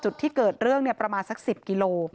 จุดที่เกิดเรื่องประมาณสัก๑๐กิโล